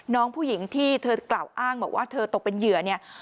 น้องผู้หญิงที่เธอกล่าวอ้างบอกว่าเธอตกเป็นเหยื่อเนี่ย